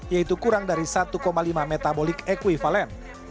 yaitu kurang dari satu lima metabolik ekvivalen